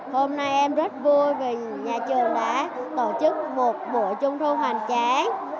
hôm nay em rất vui vì nhà trường đã tổ chức một buổi trung thu hoàn cá